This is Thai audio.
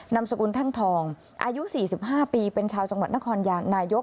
นำสกุลแท่งทองอายุ๔๕ปีเป็นชาวจังหวัดนครนายก